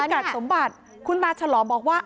บอกพี่กัดสมบัติคุณบาตรชะลองบอกว่า